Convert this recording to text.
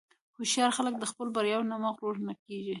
هوښیار خلک د خپلو بریاوو نه مغرور نه کېږي.